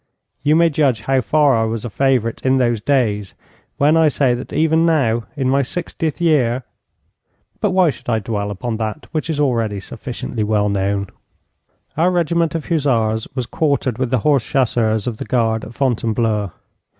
You may judge how far I was a favourite in those days when I say that even now, in my sixtieth year but why should I dwell upon that which is already sufficiently well known? Our regiment of hussars was quartered with the horse chasseurs of the guard at Fontainebleau.